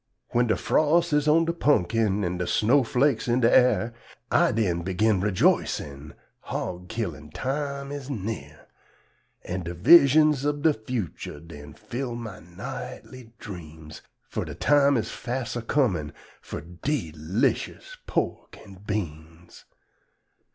When de fros' is on de pun'kin an' de sno' flakes in de ar', I den begin rejoicin' hog killin' time is near; An' de vizhuns ub de fucher den fill my nightly dreams, Fur de time is fas' a comin' fur de 'lishus pork an' beans.